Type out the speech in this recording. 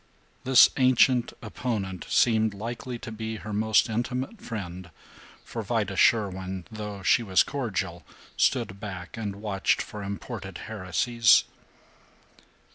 This ancient opponent seemed likely to be her most intimate friend, for Vida Sherwin, though she was cordial, stood back and watched for imported heresies.